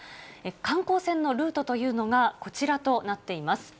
観光船のルートというのが、こちらとなっています。